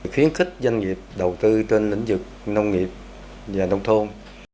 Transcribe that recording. khuyến khích doanh nghiệp đầu tư trên lĩnh vực nông nghiệp và nông thôn